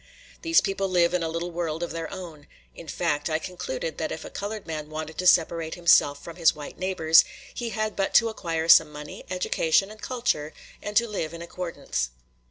These people live in a little world of their own; in fact, I concluded that if a colored man wanted to separate himself from his white neighbors, he had but to acquire some money, education, and culture, and to live in accordance.